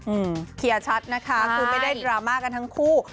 อืมเคลียร์ชัดนะคะคือไม่ได้ดราม่ากันทั้งคู่